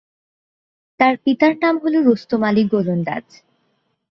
তার পিতার নাম হল রুস্তম আলী গোলন্দাজ।